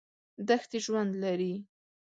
دښتې ژوند لري.